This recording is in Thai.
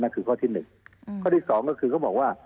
น่าคือข้อที่หนึ่งเขาที่สองก็คือเขาบอกว่า